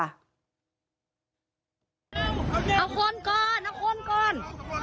เอาคนก่อนเอาคนก่อน